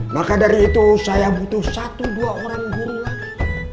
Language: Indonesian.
maka dari itu saya butuh satu dua orang guru lagi